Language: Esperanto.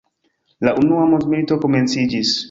La Unua mondmilito komenciĝis.